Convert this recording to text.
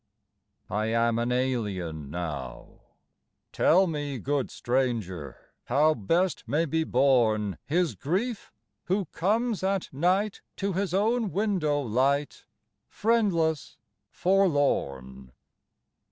I am an alien now; Tell me, good stranger, how Best may be borne His grief who comes at night To his own window light Friendless, forlorn.